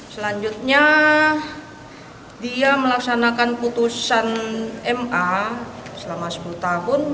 selanjutnya dia melaksanakan putusan ma selama sepuluh tahun